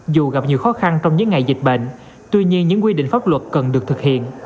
dù gặp nhiều khó khăn trong những ngày dịch bệnh tuy nhiên những quy định pháp luật cần được thực hiện